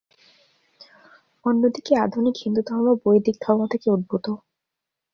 অন্যদিকে আধুনিক হিন্দুধর্ম বৈদিক ধর্ম থেকে উদ্ভূত।